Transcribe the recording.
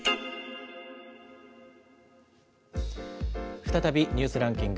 再びニュースランキング。